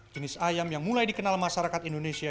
jenis ayam yang mulai dikenal masyarakat indonesia